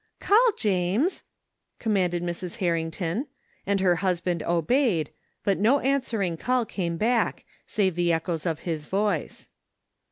" Call, James !" commanded Mrs. Harrington, and her husband obeyed, but no answering call came back, save the echoes of his voice.